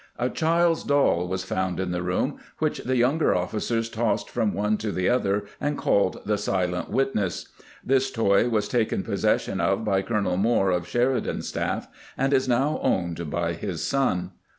A child's doll was found in the room, which the younger officers tossed from one to the other, and called the " silent witness." This toy was taken posses sion of by Colonel Moore of Sheridan's staff, and is now owned by his son.